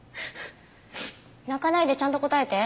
泣かないでちゃんと答えて。